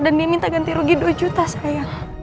dan dia minta ganti rugi dua juta sayang